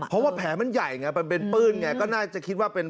เพราะว่าแผลมันใหญ่ไงมันเป็นปื้นไงก็น่าจะคิดว่าเป็น